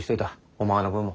お前の分も。